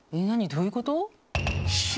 どういうこと？